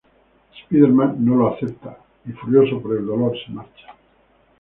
Spider-Man no lo acepta y furioso por el dolor, se marcha.